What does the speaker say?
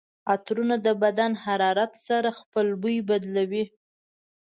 عطرونه د بدن حرارت سره خپل بوی بدلوي.